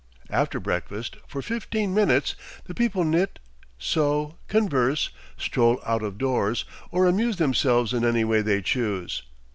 After breakfast, for fifteen minutes, the people knit, sew, converse, stroll out of doors, or amuse themselves in any way they choose.